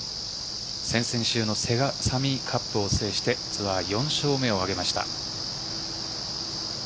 先々週のセガサミーカップを制してツアー４勝目を挙げました。